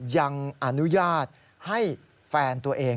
ยังอนุญาตให้แฟนตัวเอง